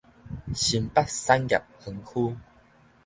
新北產業園區